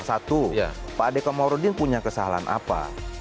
satu pak adhika maurodin punya kesalahan apa